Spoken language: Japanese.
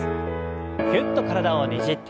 ぎゅっと体をねじって。